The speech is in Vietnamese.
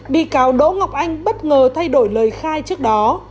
bị cáo đỗ ngọc anh bất ngờ thay đổi lời khai trước đó